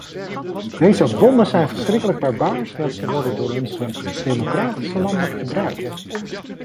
Deze bommen zijn verschrikkelijk barbaars want ze worden door onze democratische landen gebruikt.